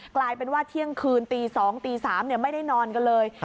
กลายเป็นว่าเที่ยงคืนตี๒ตี๓ไม่ได้นอนกันเลย